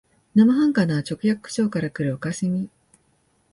生半可な直訳口調からくる可笑しみ、